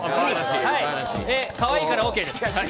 かわいいからＯＫです。